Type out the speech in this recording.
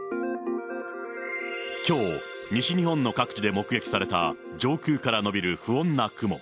きょう、西日本の各地で目撃された、上空から延びる不穏な雲。